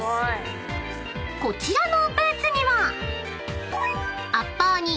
［こちらのブーツには］